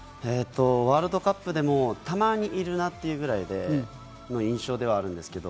ワールドカップでもたまにいるなっていうぐらいの印象ではあります。